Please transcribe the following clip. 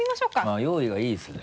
まぁ用意がいいですね。